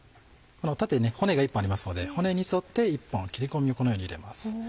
縦に骨が１本ありますので骨に沿って１本切り込みをこのように入れます。